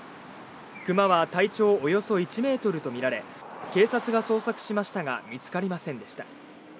クマは体長およそ１メートルとみられ、警察が捜索しましたが見つかりませんでした。